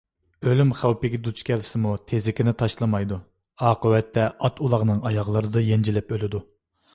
ئۆلۈم خەۋپىگە دۇچ كەلسىمۇ تېزىكىنى تاشلىمايدۇ. ئاقىۋەتتە ئات - ئۇلاغنىڭ ئاياغلىرىدا يەنجىلىپ ئۆلىدۇ.